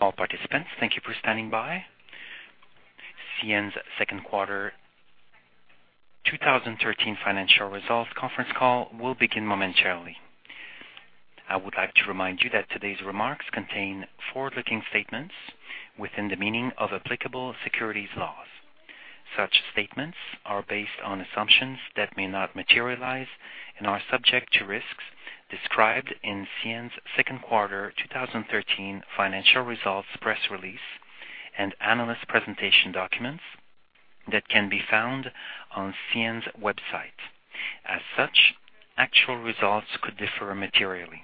All participants, thank you for standing by. CN's second quarter 2013 financial results conference call will begin momentarily. I would like to remind you that today's remarks contain forward-looking statements within the meaning of applicable securities laws. Such statements are based on assumptions that may not materialize and are subject to risks described in CN's second quarter 2013 financial results, press release, and analyst presentation documents that can be found on CN's website. As such, actual results could differ materially.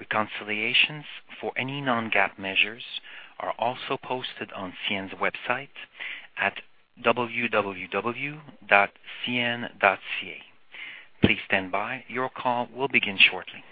Reconciliations for any non-GAAP measures are also posted on CN's website at www.cn.ca. Please stand by. Your call will begin shortly.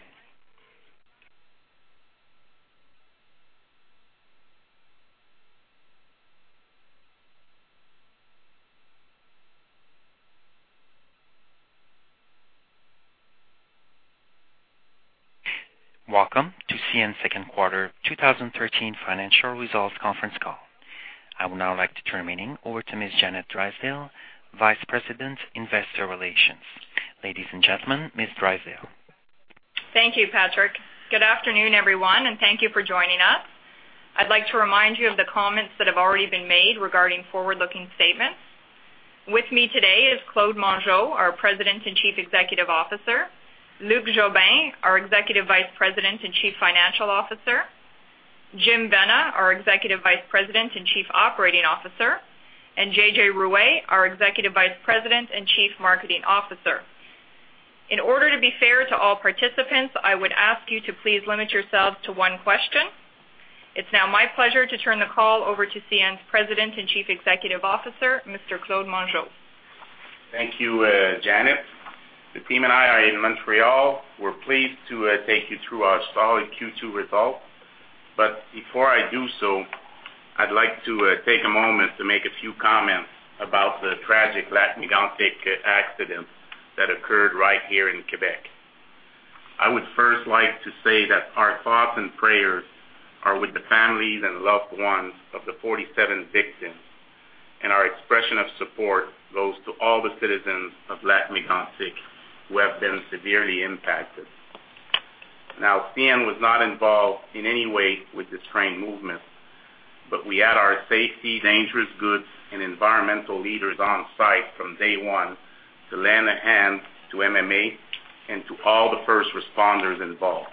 Welcome to CN's second quarter 2013 financial results conference call. I would now like to turn the meeting over to Ms. Janet Drysdale, Vice President, Investor Relations. Ladies and gentlemen, Ms. Drysdale. Thank you, Patrick. Good afternoon, everyone, and thank you for joining us. I'd like to remind you of the comments that have already been made regarding forward-looking statements. With me today is Claude Mongeau, our President and Chief Executive Officer, Luc Jobin, our Executive Vice President and Chief Financial Officer, Jim Vena, our Executive Vice President and Chief Operating Officer, and JJ Ruest, our Executive Vice President and Chief Marketing Officer. In order to be fair to all participants, I would ask you to please limit yourselves to one question. It's now my pleasure to turn the call over to CN's President and Chief Executive Officer, Mr. Claude Mongeau. Thank you, Janet. The team and I are in Montreal. We're pleased to take you through our solid Q2 results. But before I do so, I'd like to take a moment to make a few comments about the tragic Lac-Mégantic accident that occurred right here in Quebec. I would first like to say that our thoughts and prayers are with the families and loved ones of the 47 victims, and our expression of support goes to all the citizens of Lac-Mégantic, who have been severely impacted. Now, CN was not involved in any way with this train movement, but we had our safety, dangerous goods, and environmental leaders on site from day one to lend a hand to MMA and to all the first responders involved.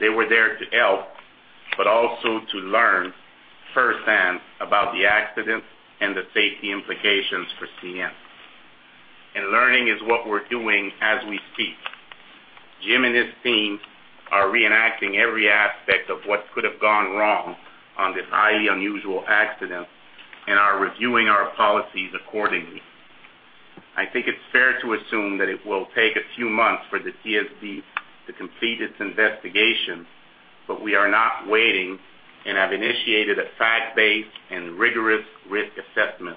They were there to help, but also to learn firsthand about the accident and the safety implications for CN. Learning is what we're doing as we speak. Jim and his team are reenacting every aspect of what could have gone wrong on this highly unusual accident and are reviewing our policies accordingly. I think it's fair to assume that it will take a few months for the TSB to complete its investigation, but we are not waiting and have initiated a fact-based and rigorous risk assessment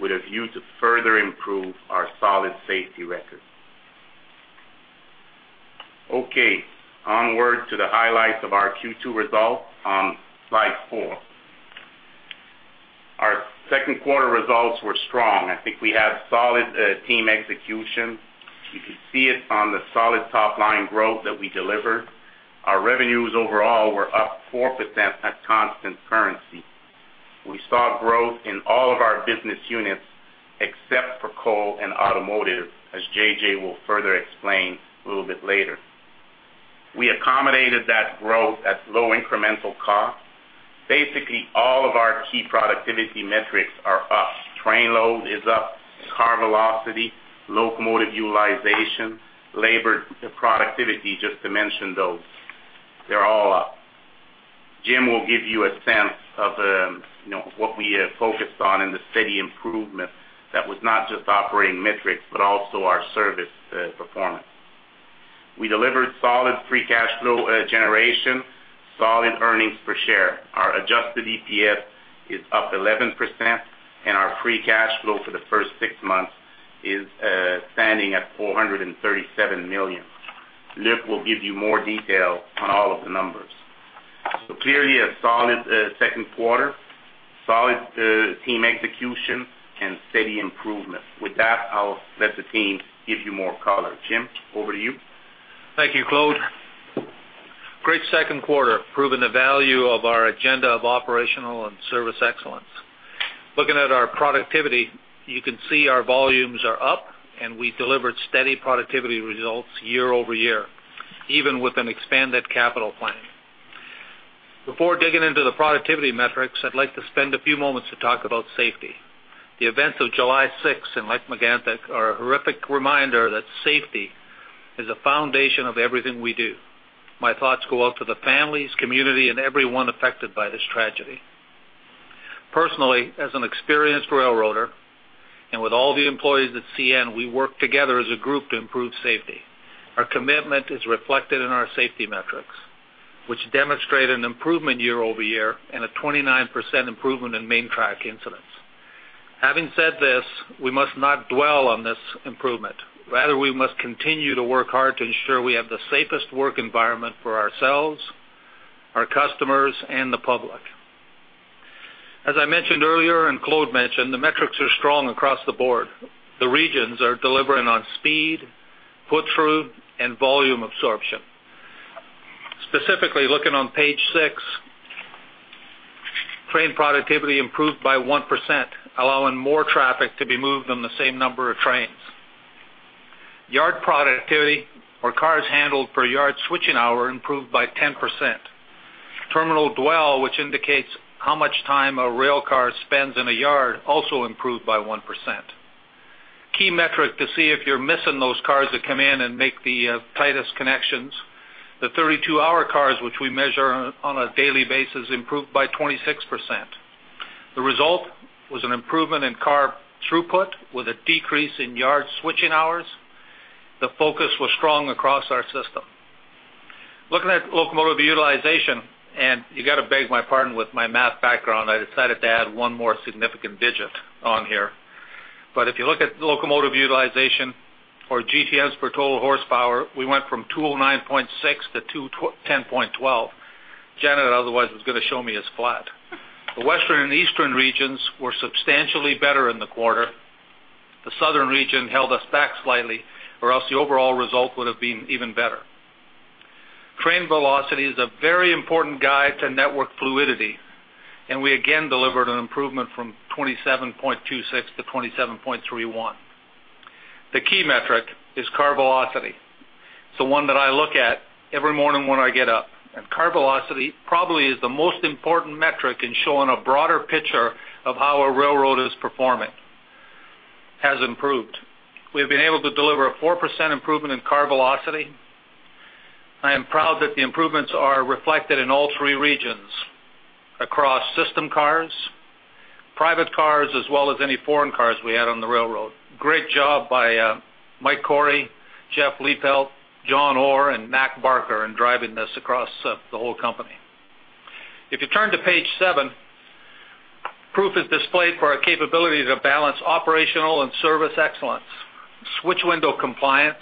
with a view to further improve our solid safety record. Okay, onward to the highlights of our Q2 results on slide 4. Our second quarter results were strong. I think we had solid team execution. You can see it on the solid top-line growth that we delivered. Our revenues overall were up 4% at constant currency. We saw growth in all of our business units, except for coal and automotive, as JJ will further explain a little bit later. We accommodated that growth at low incremental cost. Basically, all of our key productivity metrics are up. Train load is up, car velocity, locomotive utilization, labor productivity, just to mention those. They're all up. Jim will give you a sense of, you know, what we are focused on in the steady improvement that was not just operating metrics, but also our service performance. We delivered solid free cash flow generation, solid earnings per share. Our adjusted EPS is up 11%, and our free cash flow for the first six months is standing at 437 million. Luc will give you more detail on all of the numbers. So clearly a solid second quarter, solid team execution and steady improvement. With that, I'll let the team give you more color. Jim, over to you. Thank you, Claude. Great second quarter, proving the value of our agenda of operational and service excellence. Looking at our productivity, you can see our volumes are up, and we delivered steady productivity results year-over-year, even with an expanded capital plan. Before digging into the productivity metrics, I'd like to spend a few moments to talk about safety. The events of July sixth in Lac-Mégantic are a horrific reminder that safety is a foundation of everything we do. My thoughts go out to the families, community, and everyone affected by this tragedy. Personally, as an experienced railroader and with all the employees at CN, we work together as a group to improve safety. Our commitment is reflected in our safety metrics, which demonstrate an improvement year-over-year and a 29% improvement in main track incidents.... Having said this, we must not dwell on this improvement. Rather, we must continue to work hard to ensure we have the safest work environment for ourselves, our customers, and the public. As I mentioned earlier, and Claude mentioned, the metrics are strong across the board. The regions are delivering on speed, throughput, and volume absorption. Specifically, looking on page 6, train productivity improved by 1%, allowing more traffic to be moved on the same number of trains. Yard productivity or cars handled per yard switching hour improved by 10%. Terminal dwell, which indicates how much time a rail car spends in a yard, also improved by 1%. Key metric to see if you're missing those cars that come in and make the tightest connections, the 32-hour cars, which we measure on a daily basis, improved by 26%. The result was an improvement in car throughput with a decrease in yard switching hours. The focus was strong across our system. Looking at locomotive utilization, and you got to beg my pardon with my math background, I decided to add one more significant digit on here. If you look at locomotive utilization or GTMs per total horsepower, we went from 209.6 to 210.12. Janet, otherwise, was gonna show me as flat. The Western and Eastern regions were substantially better in the quarter. The Southern region held us back slightly, or else the overall result would have been even better. Train velocity is a very important guide to network fluidity, and we again delivered an improvement from 27.26 to 27.31. The key metric is car velocity. It's the one that I look at every morning when I get up, and car velocity probably is the most important metric in showing a broader picture of how our railroad is performing, has improved. We've been able to deliver a 4% improvement in car velocity. I am proud that the improvements are reflected in all three regions across system cars, private cars, as well as any foreign cars we had on the railroad. Great job by Mike Cory, Jeff Liepelt, John Orr, and Mack Barker in driving this across the whole company. If you turn to page 7, proof is displayed for our capability to balance operational and service excellence. Switch window compliance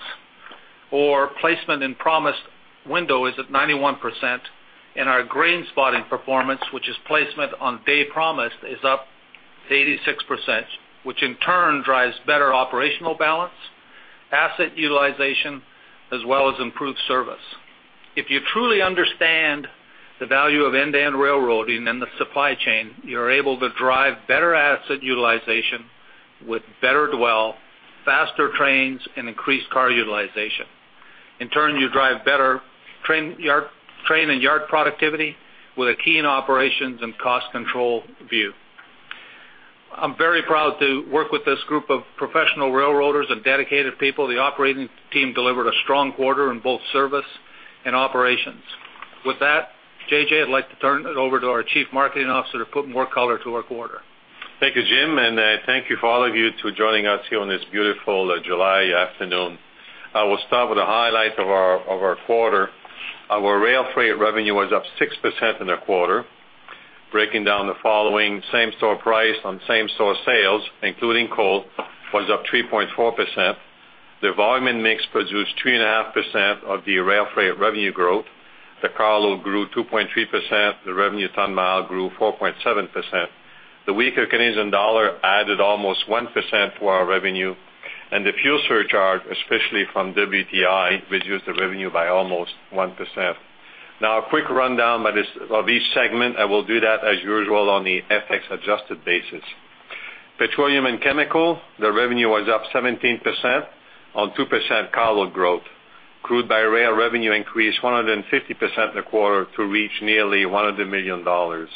or placement in promised window is at 91%, and our grain spotting performance, which is placement on day promised, is up to 86%, which in turn drives better operational balance, asset utilization, as well as improved service. If you truly understand the value of end-to-end railroading and the supply chain, you're able to drive better asset utilization with better dwell, faster trains, and increased car utilization. In turn, you drive better train and yard productivity with a key in operations and cost control view. I'm very proud to work with this group of professional railroaders and dedicated people. The operating team delivered a strong quarter in both service and operations. With that, JJ, I'd like to turn it over to our Chief Marketing Officer to put more color to our quarter. Thank you, Jim, and thank you for all of you to joining us here on this beautiful July afternoon. I will start with the highlights of our, of our quarter. Our rail freight revenue was up 6% in the quarter, breaking down the following: same store price on same store sales, including coal, was up 3.4%. The volume and mix produced 3.5% of the rail freight revenue growth. The carload grew 2.3%, the revenue ton mile grew 4.7%. The weaker Canadian dollar added almost 1% to our revenue, and the fuel surcharge, especially from WTI, reduced the revenue by almost 1%. Now, a quick rundown by this, of each segment, I will do that, as usual, on the FX-adjusted basis. Petroleum and chemical, the revenue was up 17% on 2% carload growth. Crude by rail revenue increased 150% in the quarter to reach nearly 100 million dollars.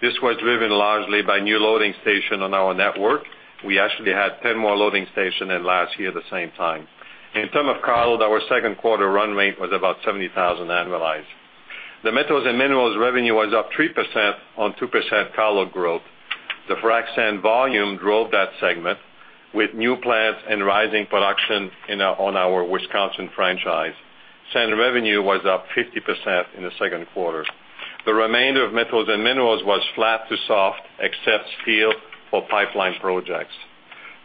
This was driven largely by new loading station on our network. We actually had 10 more loading station than last year at the same time. In terms of carload, our second quarter run rate was about 70,000 annualized. The metals and minerals revenue was up 3% on 2% carload growth. The frac sand volume drove that segment with new plants and rising production on our Wisconsin franchise. Sand revenue was up 50% in the second quarter. The remainder of metals and minerals was flat to soft, except steel for pipeline projects.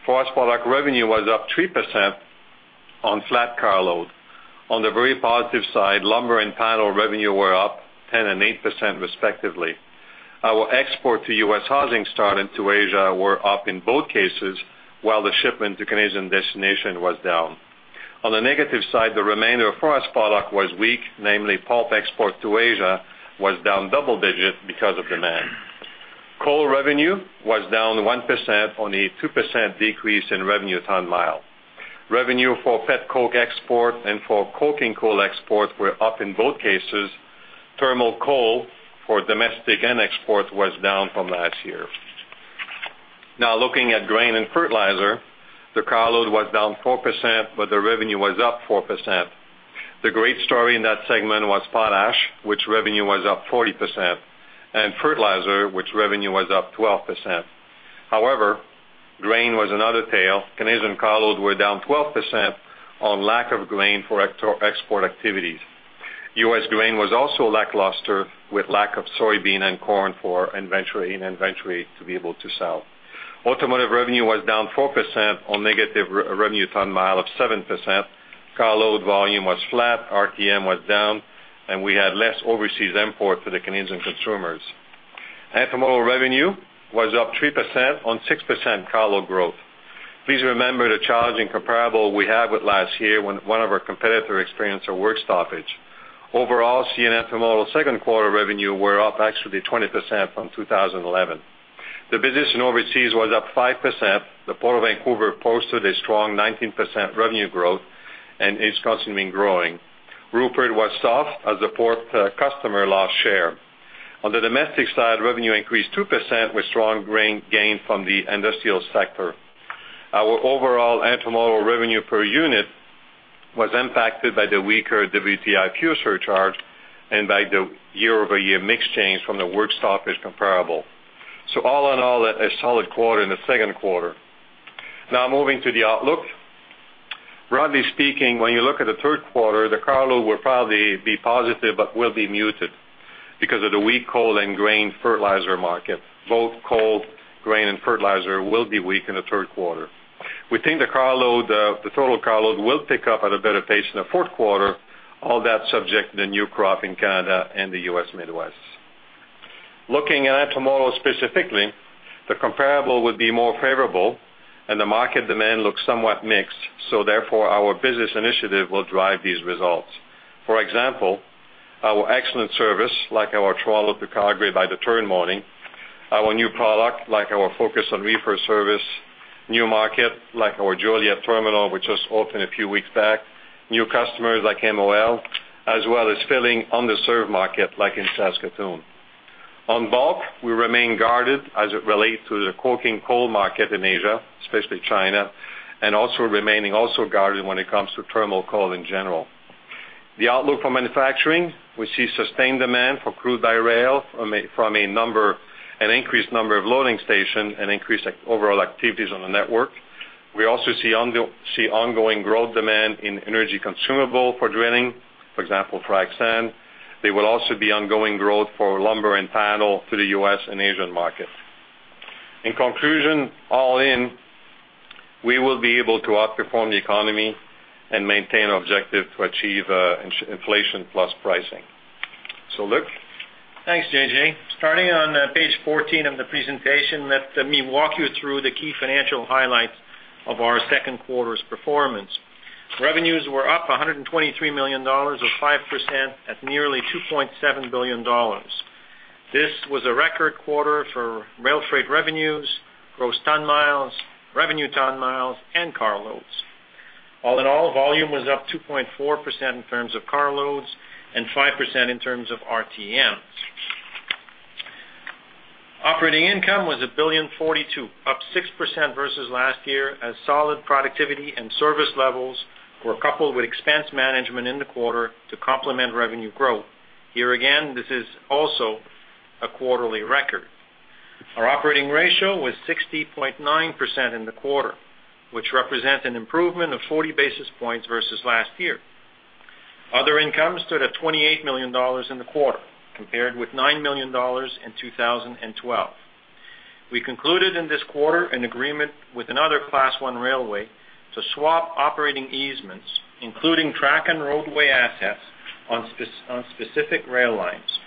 Forest product revenue was up 3% on flat carload. On the very positive side, lumber and panel revenue were up 10% and 8%, respectively. Our export to U.S. housing start into Asia were up in both cases, while the shipment to Canadian destination was down. On the negative side, the remainder of forest product was weak, namely, pulp export to Asia was down double digit because of demand. Coal revenue was down 1% on a 2% decrease in revenue ton mile. Revenue for pet coke export and for coking coal export were up in both cases. Thermal coal for domestic and export was down from last year. Now, looking at grain and fertilizer, the carload was down 4%, but the revenue was up 4%. The great story in that segment was potash, which revenue was up 40%, and fertilizer, which revenue was up 12%. However, grain was another tale. Canadian carload were down 12% on lack of grain for export activities. US grain was also lackluster, with lack of soybean and corn for inventory, and inventory to be able to sell. Automotive revenue was down 4% on negative revenue ton mile of 7%. Carload volume was flat, RTM was down, and we had less overseas import to the Canadian consumers. Intermodal revenue was up 3% on 6% carload growth. Please remember the challenging comparable we had with last year, when one of our competitor experienced a work stoppage. Overall, CN intermodal second quarter revenue were up actually 20% from 2011. The business in overseas was up 5%. The Port of Vancouver posted a strong 19% revenue growth and is constantly growing. Rupert was soft as the port customer lost share. On the domestic side, revenue increased 2%, with strong grain gains from the industrial sector. Our overall intermodal revenue per unit was impacted by the weaker WTI fuel surcharge and by the year-over-year mix change from the work stoppage comparable. So all in all, a solid quarter in the second quarter. Now, moving to the outlook. Broadly speaking, when you look at the third quarter, the carload will probably be positive but will be muted because of the weak coal, grain, and fertilizer market. Both coal, grain, and fertilizer will be weak in the third quarter. We think the carload, the total carload, will pick up at a better pace in the fourth quarter, all that subject to the new crop in Canada and the U.S. Midwest. Looking at intermodal specifically, the comparable would be more favorable, and the market demand looks somewhat mixed, so therefore, our business initiative will drive these results. For example, our excellent service, like our Toronto to Calgary by the turn morning, our new product, like our focus on reefer service, new market, like our Joliette terminal, which just opened a few weeks back, new customers like MOL, as well as filling underserved market, like in Saskatoon. On bulk, we remain guarded as it relates to the coking coal market in Asia, especially China, and also remaining guarded when it comes to thermal coal in general. The outlook for manufacturing, we see sustained demand for crude by rail from an increased number of loading stations and increased overall activities on the network. We also see ongoing growth demand in energy consumables for drilling, for example, frac sand. There will also be ongoing growth for lumber and panel to the U.S. and Asian market. In conclusion, all in, we will be able to outperform the economy and maintain our objective to achieve inflation plus pricing. So, Luc? Thanks, JJ. Starting on page 14 of the presentation, let me walk you through the key financial highlights of our second quarter's performance. Revenues were up 123 million dollars, or 5%, at nearly 2.7 billion dollars. This was a record quarter for rail freight revenues, gross ton miles, revenue ton miles, and car loads. All in all, volume was up 2.4% in terms of car loads and 5% in terms of RTMs. Operating income was 1.042 billion, up 6% versus last year, as solid productivity and service levels were coupled with expense management in the quarter to complement revenue growth. Here again, this is also a quarterly record. Our operating ratio was 60.9% in the quarter, which represent an improvement of 40 basis points versus last year. Other income stood at 28 million dollars in the quarter, compared with 9 million dollars in 2012. We concluded in this quarter an agreement with another Class One railway to swap operating easements, including track and roadway assets on specific rail lines.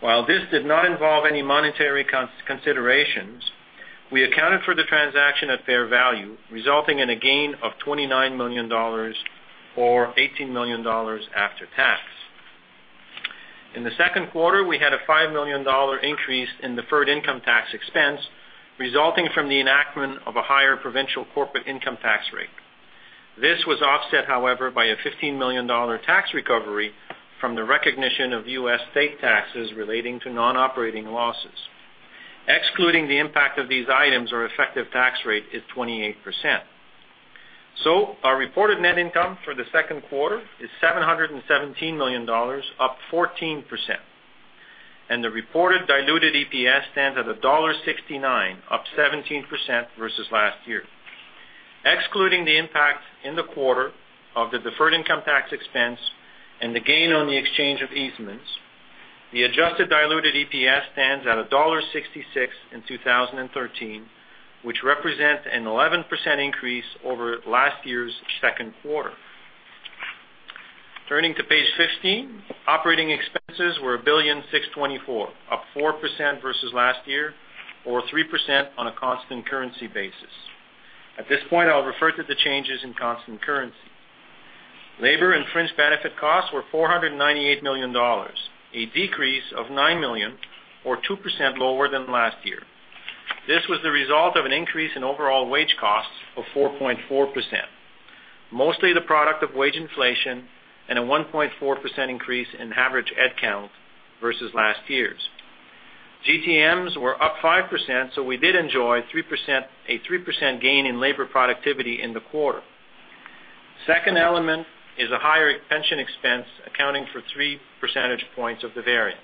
While this did not involve any monetary considerations, we accounted for the transaction at fair value, resulting in a gain of 29 million dollars, or 18 million dollars after tax. In the second quarter, we had a 5 million dollar increase in deferred income tax expense, resulting from the enactment of a higher provincial corporate income tax rate. This was offset, however, by a 15 million dollar tax recovery from the recognition of U.S. state taxes relating to non-operating losses. Excluding the impact of these items, our effective tax rate is 28%. So our reported net income for the second quarter is 717 million dollars, up 14%, and the reported diluted EPS stands at dollar 1.69, up 17% versus last year. Excluding the impact in the quarter of the deferred income tax expense and the gain on the exchange of easements, the adjusted diluted EPS stands at dollar 1.66 in 2013, which represent an 11% increase over last year's second quarter. Turning to page 15, operating expenses were 1.624 billion, up 4% versus last year, or 3% on a constant currency basis. At this point, I'll refer to the changes in constant currency. Labor and fringe benefit costs were 498 million dollars, a decrease of nine million, or 2% lower than last year. This was the result of an increase in overall wage costs of 4.4%, mostly the product of wage inflation and a 1.4% increase in average head count versus last year's. GTMs were up 5%, so we did enjoy 3%, a 3% gain in labor productivity in the quarter. Second element is a higher pension expense, accounting for three percentage points of the variance.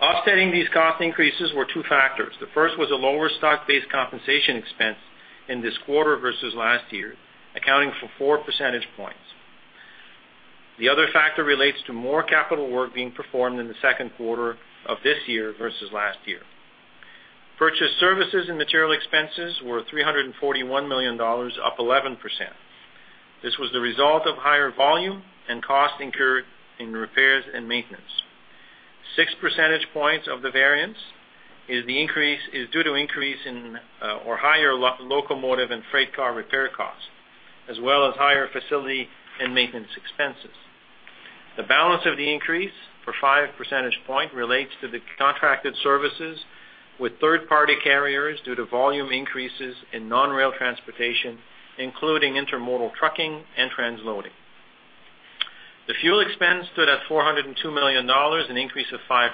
Offsetting these cost increases were two factors. The first was a lower stock-based compensation expense in this quarter versus last year, accounting for four percentage points. The other factor relates to more capital work being performed in the second quarter of this year versus last year. Purchased services and material expenses were $341 million, up 11%. This was the result of higher volume and cost incurred in repairs and maintenance. six percentage points of the variance is the increase, is due to increase in, or higher locomotive and freight car repair costs, as well as higher facility and maintenance expenses. The balance of the increase for 5 percentage point relates to the contracted services with third-party carriers due to volume increases in non-rail transportation, including intermodal trucking and transloading. The fuel expense stood at 402 million dollars, an increase of 5%.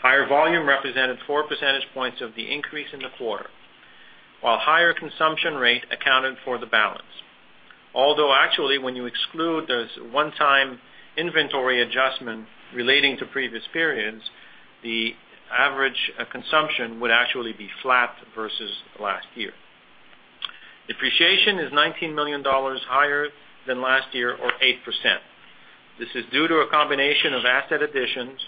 Higher volume represented four percentage points of the increase in the quarter, while higher consumption rate accounted for the balance. Although actually, when you exclude those one-time inventory adjustment relating to previous periods, the average, consumption would actually be flat versus last year. Depreciation is 19 million dollars higher than last year or 8%. This is due to a combination of asset additions,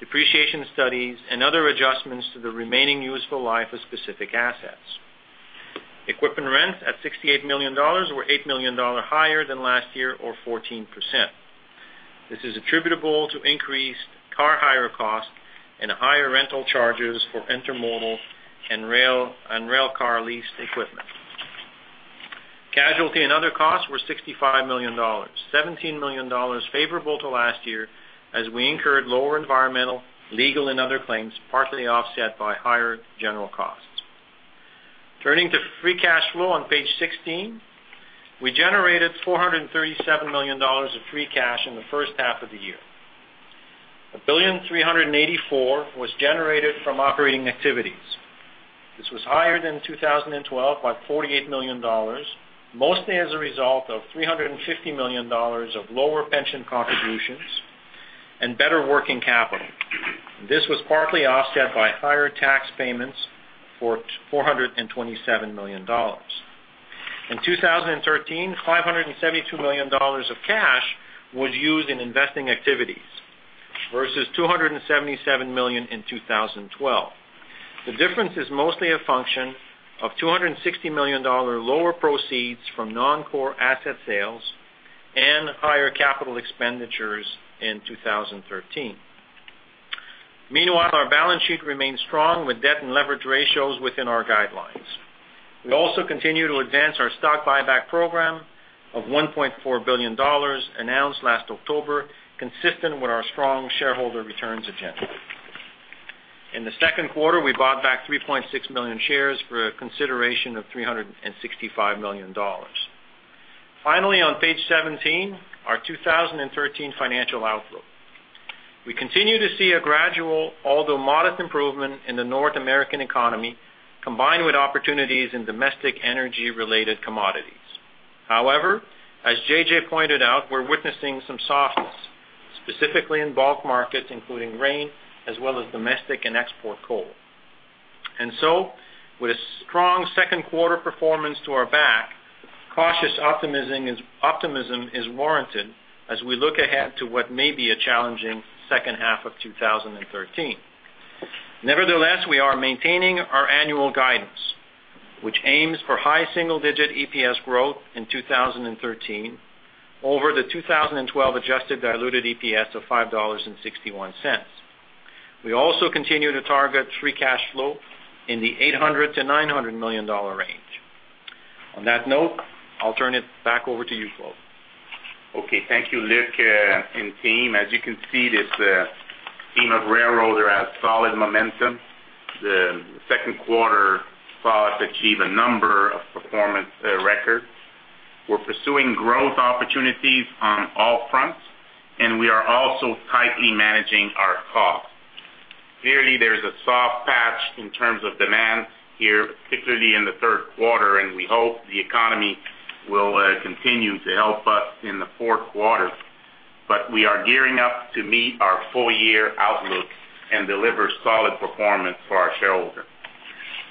depreciation studies, and other adjustments to the remaining useful life of specific assets. Equipment rent at 68 million dollars were eight million dollar higher than last year or 14%. This is attributable to increased car hire costs and higher rental charges for intermodal and rail, and rail car lease equipment. Casualty and other costs were 65 million dollars, 17 million dollars favorable to last year as we incurred lower environmental, legal and other claims, partly offset by higher general costs. Turning to free cash flow on page 16, we generated 437 million dollars of free cash in the first half of the year. 1,384 million was generated from operating activities. This was higher than 2012 by 48 million dollars, mostly as a result of 350 million dollars of lower pension contributions and better working capital. This was partly offset by higher tax payments of 427 million dollars. In 2013, 572 million dollars of cash was used in investing activities versus 277 million in 2012. The difference is mostly a function of 260 million dollar lower proceeds from non-core asset sales and higher capital expenditures in 2013. Meanwhile, our balance sheet remains strong, with debt and leverage ratios within our guidelines. We also continue to advance our stock buyback program of 1.4 billion dollars, announced last October, consistent with our strong shareholder returns agenda. In the second quarter, we bought back 3.6 million shares for a consideration of 365 million dollars. Finally, on page 17, our 2013 financial outlook. We continue to see a gradual, although modest, improvement in the North American economy, combined with opportunities in domestic energy-related commodities. However, as JJ pointed out, we're witnessing some softness, specifically in bulk markets, including grain as well as domestic and export coal. So, with a strong second quarter performance behind us, cautious optimism is warranted as we look ahead to what may be a challenging second half of 2013. Nevertheless, we are maintaining our annual guidance, which aims for high single-digit EPS growth in 2013 over the 2012 adjusted diluted EPS of 5.61 dollars. We also continue to target free cash flow in the 800 million-900 million dollar range. On that note, I'll turn it back over to you, Claude. Okay, thank you, Luc, and team. As you can see, this team of railroaders has solid momentum. The second quarter saw us achieve a number of performance records. We're pursuing growth opportunities on all fronts, and we are also tightly managing our costs. Clearly, there's a soft patch in terms of demand here, particularly in the third quarter, and we hope the economy will continue to help us in the fourth quarter. But we are gearing up to meet our full-year outlook and deliver solid performance for our shareholders.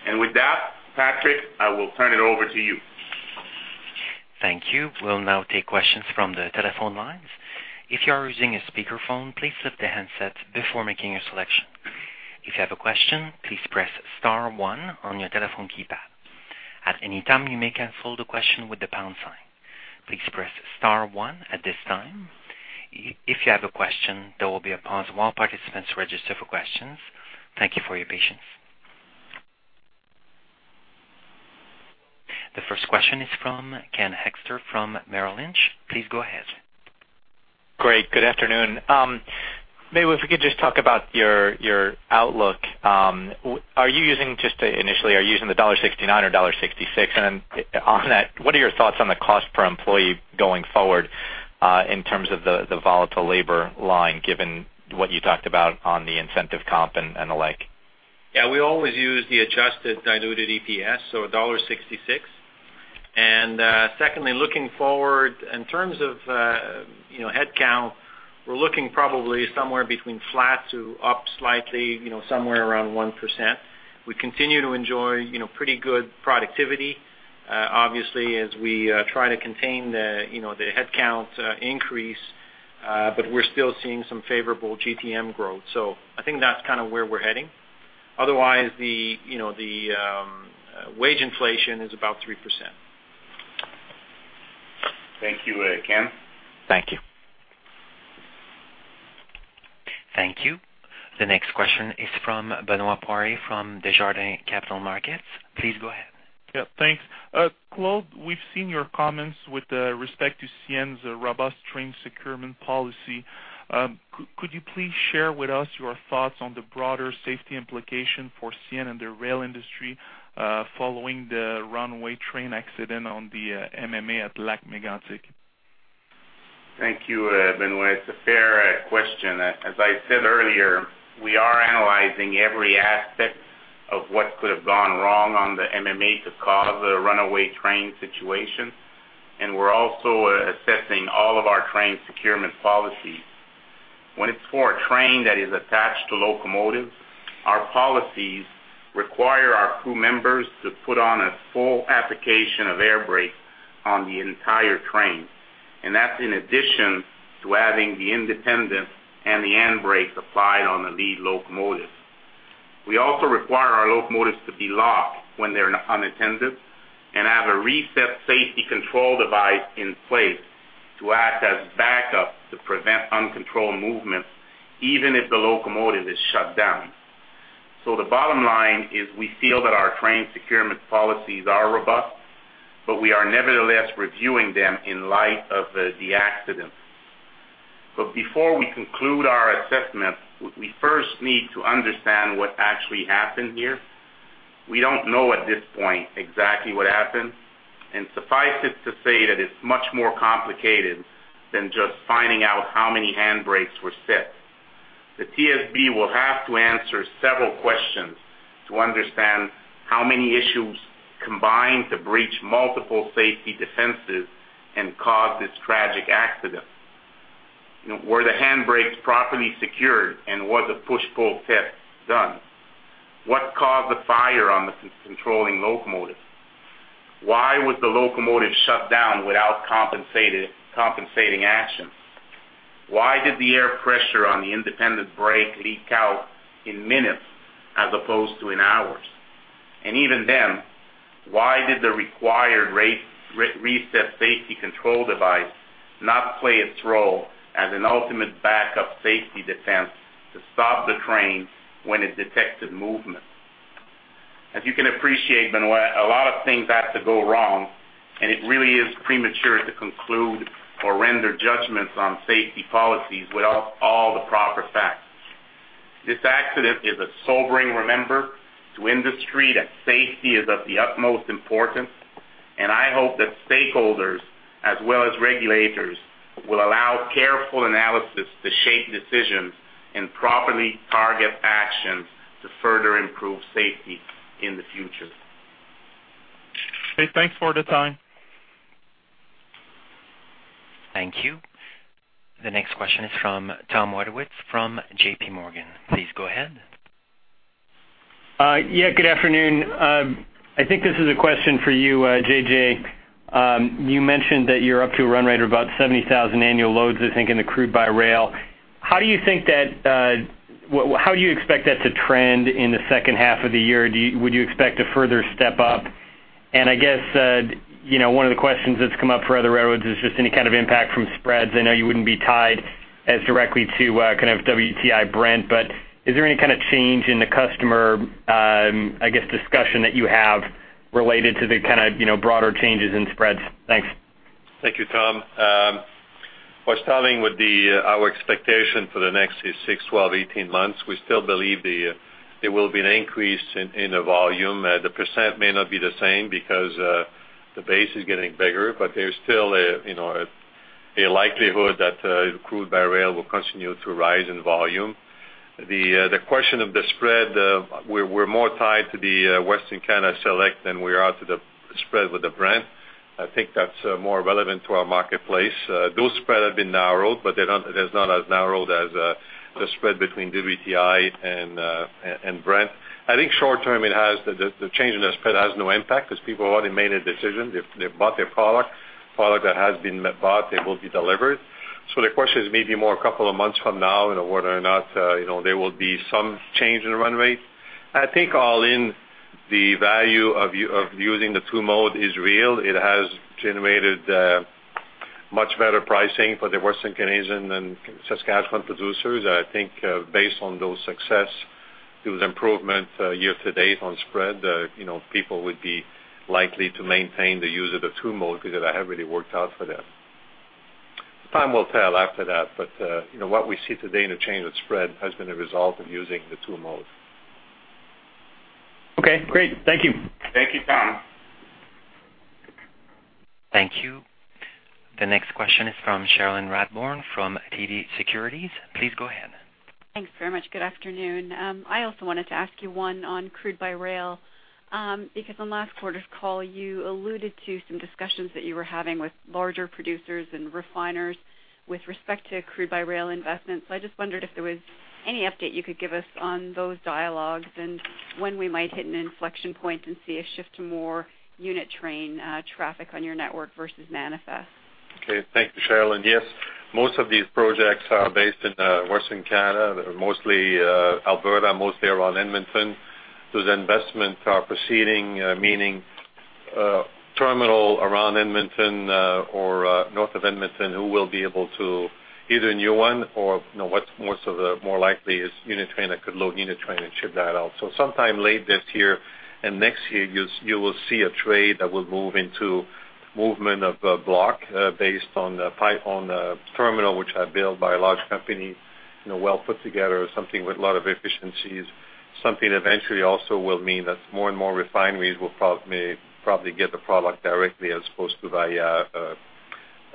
And with that, Patrick, I will turn it over to you. Thank you. We'll now take questions from the telephone lines. If you are using a speakerphone, please lift the handset before making your selection. If you have a question, please press star one on your telephone keypad. At any time, you may cancel the question with the pound sign. Please press star one at this time, if you have a question. There will be a pause while participants register for questions. Thank you for your patience. The first question is from Ken Hoexter from Merrill Lynch. Please go ahead. Great. Good afternoon. Maybe if we could just talk about your, your outlook. Are you using, just initially, are you using the $1.69 or $1.66? And on that, what are your thoughts on the cost per employee going forward, in terms of the, the volatile labor line, given what you talked about on the incentive comp and, and the like? Yeah, we always use the Adjusted Diluted EPS, so dollar 1.66. Secondly, looking forward, in terms of, you know, headcount, we're looking probably somewhere between flat to up slightly, you know, somewhere around 1%. We continue to enjoy, you know, pretty good productivity, obviously, as we try to contain the, you know, the headcount increase, but we're still seeing some favorable GTM growth. So I think that's kind of where we're heading. Otherwise, the, you know, the wage inflation is about 3%. Thank you, Ken. Thank you. Thank you. The next question is from Benoit Poiré, from Desjardins Capital Markets. Please go ahead. Yeah, thanks. Claude, we've seen your comments with respect to CN's robust train securement policy. Could you please share with us your thoughts on the broader safety implication for CN and the rail industry following the runaway train accident on the MMA at Lac-Mégantic? Thank you, Benoit. It's a fair question. As I said earlier, we are analyzing every aspect of what could have gone wrong on the MMA to cause a runaway train situation, and we're also assessing all of our train securement policies. When it's for a train that is attached to locomotive, our policies require our crew members to put on a full application of air brake on the entire train, and that's in addition to adding the independent and the hand brake applied on the lead locomotive. We also require our locomotives to be locked when they're unattended and have a reset safety control device in place to act as backup to prevent uncontrolled movements, even if the locomotive is shut down. So the bottom line is we feel that our train securement policies are robust, but we are nevertheless reviewing them in light of the accident. But before we conclude our assessment, we first need to understand what actually happened here. We don't know at this point exactly what happened, and suffice it to say that it's much more complicated than just finding out how many hand brakes were set. The TSB will have to answer several questions to understand how many issues combined to breach multiple safety defenses and cause this tragic accident. You know, were the handbrakes properly secured, and was a push-pull test done? What caused the fire on the controlling locomotive? Why was the locomotive shut down without compensating action? Why did the air pressure on the independent brake leak out in minutes as opposed to in hours? Even then, why did the required Reset Safety Control device not play its role as an ultimate backup safety defense to stop the train when it detected movement? As you can appreciate, Benoit, a lot of things had to go wrong, and it really is premature to conclude or render judgments on safety policies without all the proper facts. This accident is a sobering reminder to industry that safety is of the utmost importance, and I hope that stakeholders as well as regulators will allow careful analysis to shape decisions and properly target actions to further improve safety in the future. Okay, thanks for the time. Thank you. The next question is from Tom Wadewitz, from J.P. Morgan. Please go ahead. Yeah, good afternoon. I think this is a question for you, JJ. You mentioned that you're up to a run rate of about 70,000 annual loads, I think, in the crude by rail. How do you think that... how do you expect that to trend in the second half of the year? Would you expect a further step up? And I guess, you know, one of the questions that's come up for other railroads is just any kind of impact from spreads. I know you wouldn't be tied as directly to, kind of WTI Brent, but is there any kind of change in the customer, I guess, discussion that you have related to the kind of, you know, broader changes in spreads? Thanks. Thank you, Tom. Well, starting with our expectation for the next six, 12, 18 months, we still believe there will be an increase in the volume. The percent may not be the same because the base is getting bigger, but there's still a, you know, a likelihood that crude by rail will continue to rise in volume. The question of the spread, we're more tied to the Western Canada Select than we are to the spread with the Brent. I think that's more relevant to our marketplace. Those spreads have been narrowed, but they're not, it is not as narrowed as the spread between WTI and Brent. I think short term, the change in the spread has no impact, because people already made a decision. They've bought their product. Product that has been bought, they will be delivered. So the question is maybe more a couple of months from now and whether or not, you know, there will be some change in the run rate. I think all in the value of using the two mode is real. It has generated much better pricing for the Western Canadian and Saskatchewan producers. I think, based on those success, those improvement, year to date on spread, you know, people would be likely to maintain the use of the two mode because that has really worked out for them. Time will tell after that, but, you know, what we see today in the change of spread has been a result of using the two mode. Okay, great. Thank you. Thank you, Tom. Thank you. The next question is from Cherilyn Radbourne from TD Securities. Please go ahead. Thanks very much. Good afternoon. I also wanted to ask you one on crude by rail, because on last quarter's call, you alluded to some discussions that you were having with larger producers and refiners with respect to crude by rail investments. So I just wondered if there was any update you could give us on those dialogues and when we might hit an inflection point and see a shift to more unit train, traffic on your network versus manifest. Okay. Thank you, Sherilyn. Yes, most of these projects are based in Western Canada, mostly Alberta, mostly around Edmonton. Those investments are proceeding, meaning terminal around Edmonton or north of Edmonton, who will be able to either a new one or, you know, what's most of the more likely is unit train that could load unit train and ship that out. So sometime late this year and next year, you will see a train that will move into movement of block based on the on the terminal, which are built by a large company, you know, well put together, something with a lot of efficiencies, something eventually also will mean that more and more refineries will may probably get the product directly as opposed to via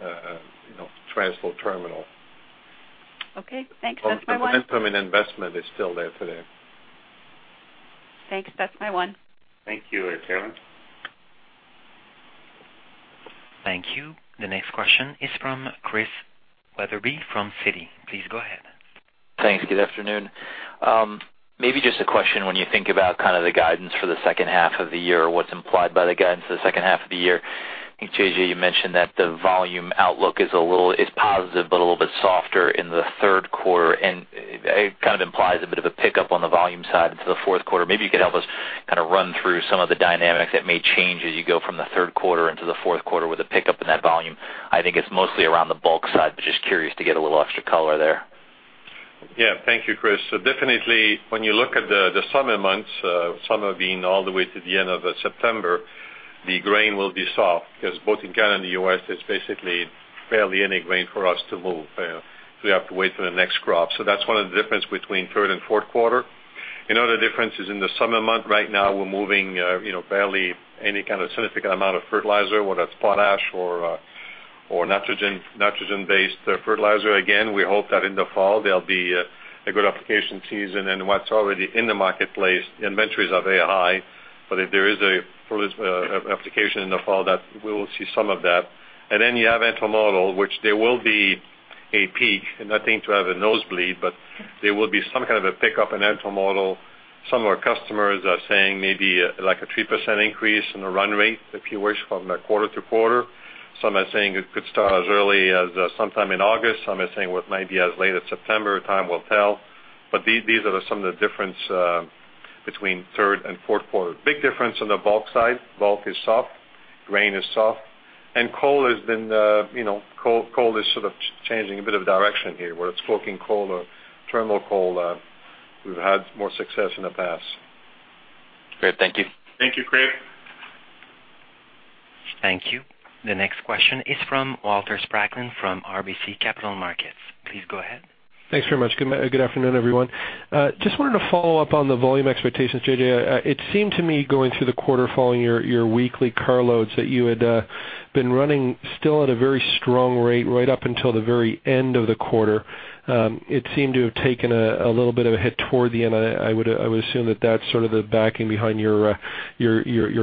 you know, transport terminal. Okay, thanks. That's my one. The interim investment is still there today. Thanks. That's my one. Thank you, Sherilyn. Thank you. The next question is from Chris Wetherbee, from Citi. Please go ahead. Thanks. Good afternoon. Maybe just a question, when you think about kind of the guidance for the second half of the year, what's implied by the guidance for the second half of the year? I think, JJ, you mentioned that the volume outlook is a little, is positive, but a little bit softer in the third quarter, and it kind of implies a bit of a pickup on the volume side into the fourth quarter. Maybe you could help us kind of run through some of the dynamics that may change as you go from the third quarter into the fourth quarter with a pickup in that volume. I think it's mostly around the bulk side, but just curious to get a little extra color there. Yeah. Thank you, Chris. So definitely, when you look at the summer months, summer being all the way to the end of September, the grain will be soft because both in Canada and the U.S., there's basically barely any grain for us to move. We have to wait for the next crop. So that's one of the difference between third and fourth quarter. Another difference is in the summer month. Right now, we're moving, you know, barely any kind of significant amount of fertilizer, whether it's potash or nitrogen, nitrogen-based fertilizer. Again, we hope that in the fall, there'll be a good application season, and what's already in the marketplace, inventories are very high. But if there is a fertilizer application in the fall, that we will see some of that. And then you have intermodal, which there will be a peak, and nothing to have a nosebleed, but there will be some kind of a pickup in intermodal. Some of our customers are saying maybe, like a 3% increase in the run rate, if you wish, from the quarter to quarter. Some are saying it could start as early as, sometime in August. Some are saying what might be as late as September. Time will tell. But these are some of the difference between third and fourth quarter. Big difference on the bulk side. Bulk is soft, grain is soft, and coal has been, you know, coal is sort of changing a bit of direction here, whether it's coking coal or thermal coal, we've had more success in the past. Great. Thank you. Thank you, Chris. Thank you. The next question is from Walter Spracklin, from RBC Capital Markets. Please go ahead. Thanks very much. Good afternoon, everyone. Just wanted to follow up on the volume expectations, JJ. It seemed to me, going through the quarter, following your weekly car loads, that you had been running still at a very strong rate right up until the very end of the quarter. It seemed to have taken a little bit of a hit toward the end. I would assume that that's sort of the backing behind your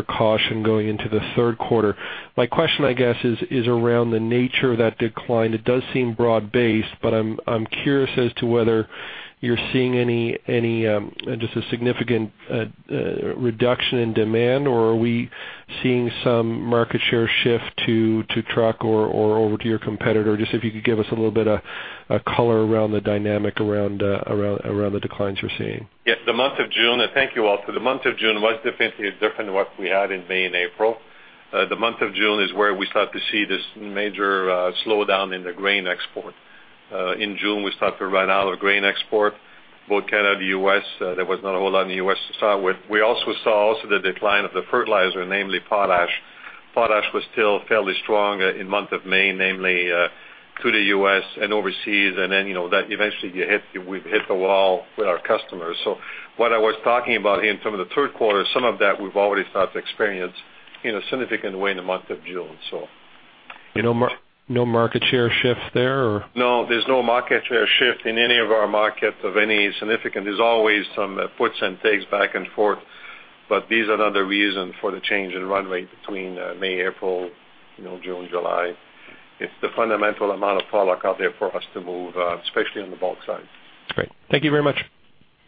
caution going into the third quarter. My question, I guess, is around the nature of that decline. It does seem broad-based, but I'm curious as to whether you're seeing any just a significant reduction in demand, or are we seeing some market share shift to truck or over to your competitor? Just if you could give us a little bit of color around the dynamic around the declines you're seeing. Yeah, the month of June. Thank you, Walter. The month of June was definitely different than what we had in May and April. The month of June is where we start to see this major slowdown in the grain export. In June, we start to run out of grain export, both Canada and the U.S. There was not a whole lot in the U.S. to start with. We also saw also the decline of the fertilizer, namely potash. Potash was still fairly strong in month of May, namely, to the U.S. and overseas, and then, you know, that eventually, we've hit the wall with our customers. So what I was talking about in terms of the third quarter, some of that we've already started to experience in a significant way in the month of June, so. No market share shift there, or? No, there's no market share shift in any of our markets of any significant. There's always some, puts and takes back and forth, but these are not the reason for the change in run rate between, May, April, you know, June, July. It's the fundamental amount of product out there for us to move, especially on the bulk side. Great. Thank you very much.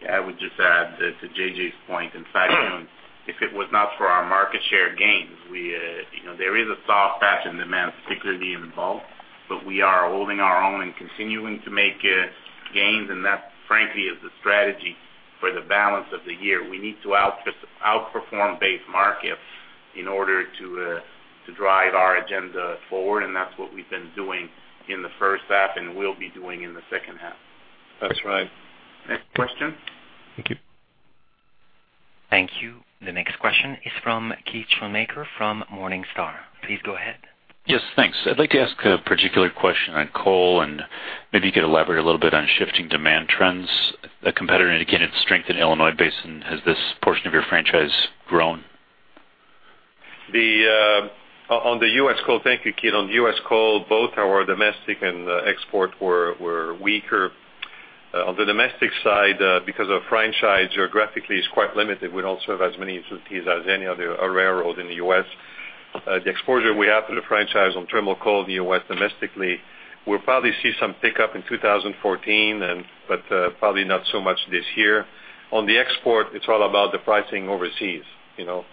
I would just add to JJ's point. In fact, if it was not for our market share gains, we, you know, there is a soft patch in demand, particularly in the bulk, but we are holding our own and continuing to make gains, and that, frankly, is the strategy for the balance of the year. We need to outperform base markets in order to drive our agenda forward, and that's what we've been doing in the first half and will be doing in the second half. That's right. Next question? Thank you. Thank you. The next question is from Keith Schoonmaker from Morningstar. Please go ahead. Yes, thanks. I'd like to ask a particular question on coal, and maybe you could elaborate a little bit on shifting demand trends. A competitor indicated strength in Illinois Basin. Has this portion of your franchise grown? ...The on the US coal, thank you, Keith. On the US coal, both our domestic and export were weaker. On the domestic side, because our franchise, geographically, is quite limited, we don't serve as many facilities as any other railroad in the US. The exposure we have to the franchise on thermal coal in the US domestically, we'll probably see some pickup in 2014, and but, probably not so much this year. On the export, it's all about the pricing overseas, you know?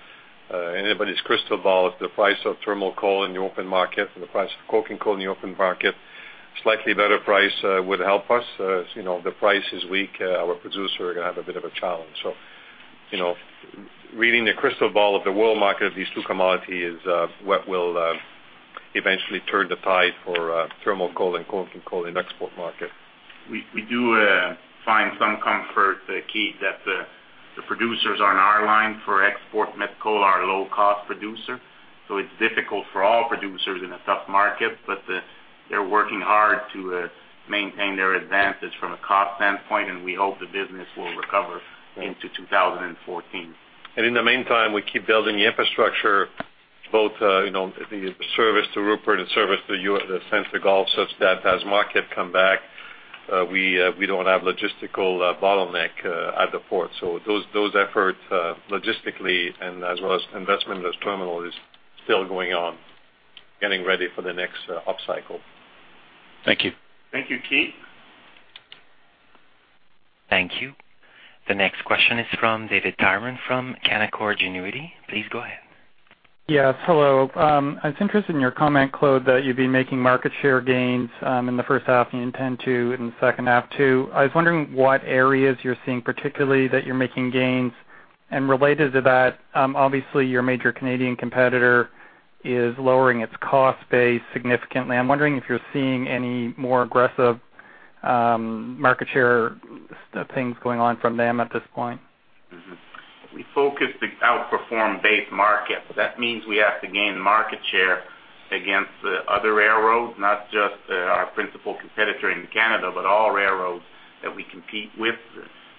Anybody's crystal ball, the price of thermal coal in the open market and the price of coking coal in the open market, slightly better price would help us. As you know, the price is weak, our producer are gonna have a bit of a challenge. So, you know, reading the crystal ball of the world market, these two commodity is what will eventually turn the tide for thermal coal and coking coal in export market. We do find some comfort, Keith, that the producers on our line for export met coal are a low-cost producer. So it's difficult for all producers in a tough market, but they're working hard to maintain their advantage from a cost standpoint, and we hope the business will recover into 2014. And in the meantime, we keep building the infrastructure, both, you know, the service to Rupert and service to U.S., and to Gulf, such that as market come back, we, we don't have logistical, bottleneck, at the port. So those, those efforts, logistically, and as well as investment in those terminal, is still going on, getting ready for the next, upcycle. Thank you. Thank you, Keith. Thank you. The next question is from David Tyerman, from Canaccord Genuity. Please go ahead. Yes, hello. I was interested in your comment, Claude, that you've been making market share gains, in the first half, and you intend to in the second half, too. I was wondering what areas you're seeing, particularly, that you're making gains. And related to that, obviously, your major Canadian competitor is lowering its cost base significantly. I'm wondering if you're seeing any more aggressive, market share things going on from them at this point? Mm-hmm. We focus to outperform base markets. That means we have to gain market share against the other railroads, not just our principal competitor in Canada, but all railroads that we compete with.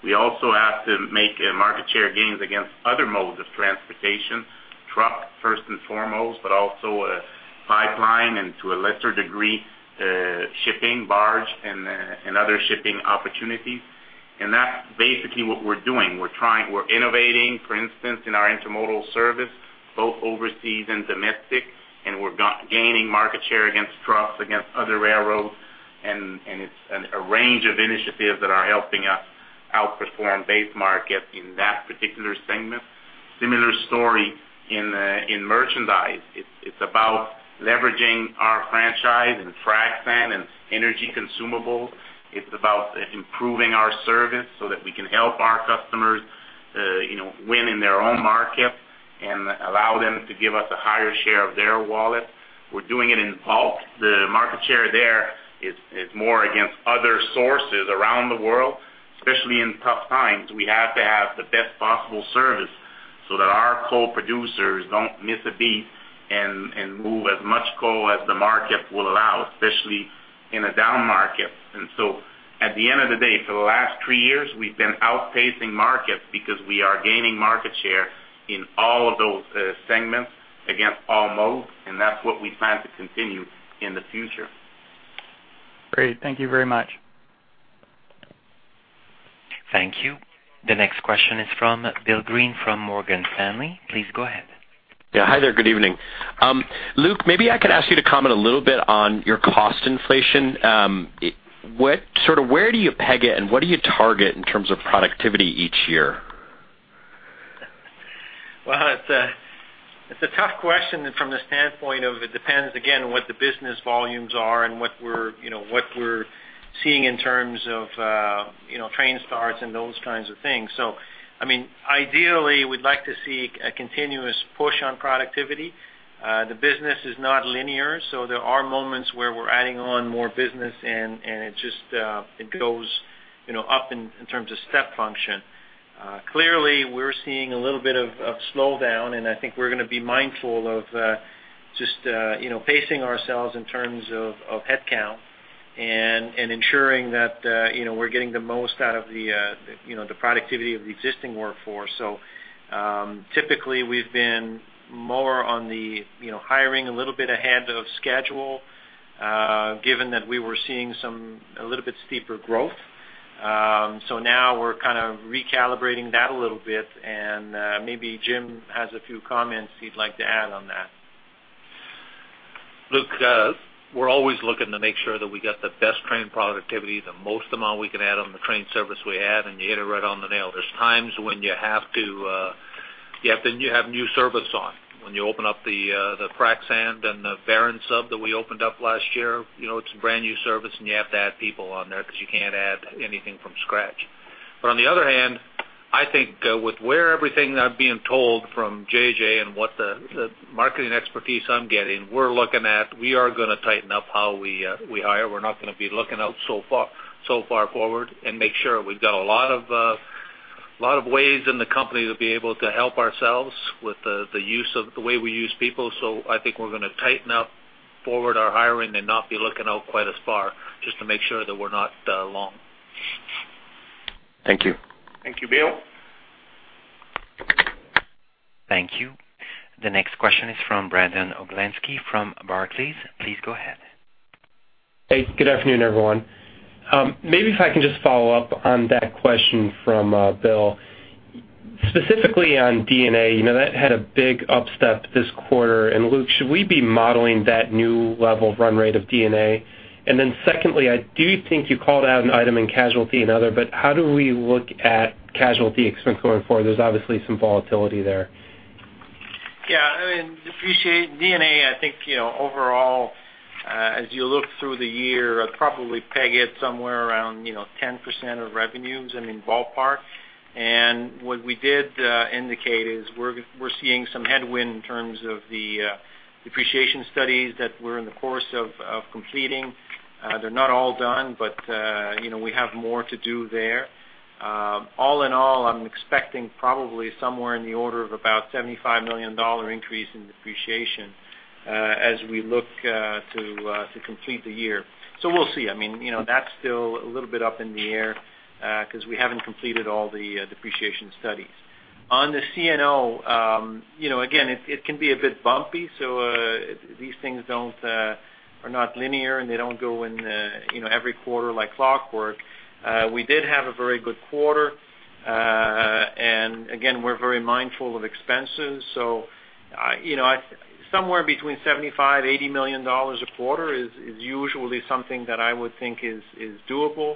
We also have to make market share gains against other modes of transportation, truck first and foremost, but also pipeline, and to a lesser degree shipping, barge, and other shipping opportunities. That's basically what we're doing. We're innovating, for instance, in our intermodal service, both overseas and domestic, and we're gaining market share against trucks, against other railroads, and a range of initiatives that are helping us outperform base market in that particular segment. Similar story in merchandise. It's about leveraging our franchise in frac sand and energy consumables. It's about improving our service so that we can help our customers, you know, win in their own market and allow them to give us a higher share of their wallet. We're doing it in bulk. The market share there is more against other sources around the world. Especially in tough times, we have to have the best possible service so that our coal producers don't miss a beat and move as much coal as the market will allow, especially in a down market. And so at the end of the day, for the last three years, we've been outpacing markets because we are gaining market share in all of those segments against all modes, and that's what we plan to continue in the future. Great. Thank you very much. Thank you. The next question is from Bill Greene from Morgan Stanley. Please go ahead. Yeah. Hi there, good evening. Luc, maybe I could ask you to comment a little bit on your cost inflation. What sort of where do you peg it, and what do you target in terms of productivity each year? Well, it's a, it's a tough question from the standpoint of it depends, again, on what the business volumes are and what we're, you know, what we're seeing in terms of, you know, train starts and those kinds of things. So I mean, ideally, we'd like to see a continuous push on productivity. The business is not linear, so there are moments where we're adding on more business, and, and it just, it goes, you know, up in, in terms of step function. Clearly, we're seeing a little bit of, of slowdown, and I think we're gonna be mindful of, just, you know, pacing ourselves in terms of, of headcount and, and ensuring that, you know, we're getting the most out of the, you know, the productivity of the existing workforce. So, typically, we've been more on the, you know, hiring a little bit ahead of schedule, given that we were seeing some, a little bit steeper growth. So now we're kind of recalibrating that a little bit, and, maybe Jim has a few comments he'd like to add on that. Luke, we're always looking to make sure that we get the best Train Productivity, the most amount we can add on the train service we have, and you hit it right on the nail. There's times when you have to, you have to have new service on. When you open up the Frac Sand and the Barron Sub that we opened up last year, you know, it's a brand-new service, and you have to add people on there because you can't add anything from scratch. But on the other hand, I think, with where everything I'm being told from JJ and what the marketing expertise I'm getting, we're looking at, we are gonna tighten up how we hire. We're not gonna be looking out so far, so far forward and make sure we've got a lot of, lot of ways in the company to be able to help ourselves with the, the use of-- the way we use people. So I think we're gonna tighten up forward our hiring and not be looking out quite as far, just to make sure that we're not, long. ...Thank you. Thank you, Bill. Thank you. The next question is from Brandon Oglenski from Barclays. Please go ahead. Hey, good afternoon, everyone. Maybe if I can just follow up on that question from Bill. Specifically on D&A you know, that had a big upstep this quarter. And Luke, should we be modeling that new level of run rate of D&A? And then secondly, I do think you called out an item in casualty and other, but how do we look at casualty expense going forward? There's obviously some volatility there. Yeah, I mean, depreciation and a, I think, you know, overall, as you look through the year, I'd probably peg it somewhere around, you know, 10% of revenues, I mean, ballpark. And what we did indicate is we're seeing some headwind in terms of the depreciation studies that we're in the course of completing. They're not all done, but, you know, we have more to do there. All in all, I'm expecting probably somewhere in the order of about 75 million dollar increase in depreciation, as we look to complete the year. So we'll see. I mean, you know, that's still a little bit up in the air, 'cause we haven't completed all the depreciation studies. On the C&O, you know, again, it, it can be a bit bumpy, so, these things don't, are not linear, and they don't go in, you know, every quarter like clockwork. We did have a very good quarter. And again, we're very mindful of expenses. So I, you know, somewhere between 75-80 million dollars a quarter is, is usually something that I would think is, is doable.